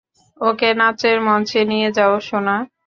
ওকে নাচের মঞ্চে নিয়ে যাও, সোনা!